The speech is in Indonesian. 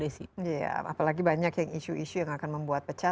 apalagi banyak yang isu isu yang akan membuat pecah